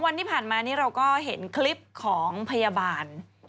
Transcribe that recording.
วันที่ผ่านมานี้เราก็เห็นคลิปของพยาบาล